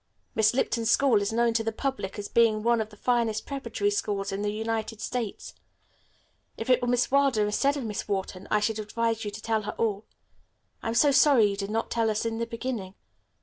Miss Lipton's school is known to the public as being one of the finest preparatory schools in the United States. If it were Miss Wilder instead of Miss Wharton I should advise you to tell her all. I am so sorry you did not tell us in the beginning.